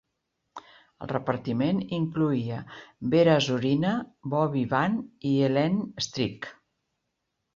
El repartiment incloïa Vera Zorina, Bobby Van i Elaine Stritch.